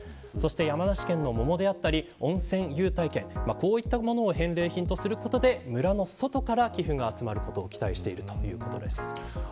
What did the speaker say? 山梨県の桃であったり温泉優待券といったものを返礼品とすることで村の外から寄付が集まることを期待しているということです。